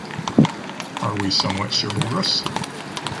Are we somewhat chivalrous?